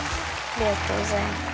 ありがとうございます。